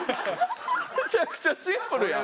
めちゃくちゃシンプルやん。